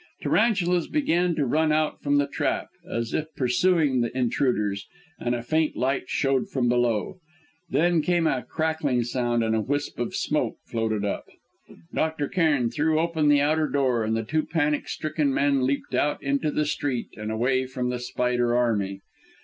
Tarantulas began to run out from the trap, as if pursuing the intruders, and a faint light showed from below. Then came a crackling sound, and a wisp of smoke floated up. Dr. Cairn threw open the outer door, and the two panic stricken men leapt out into the street and away from the spider army.